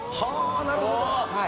なるほど！